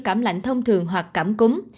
cảm lạnh thông thường hoặc cảm cúm